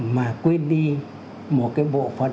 mà quên đi một cái bộ phận đông